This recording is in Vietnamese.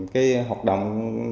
cái hoạt động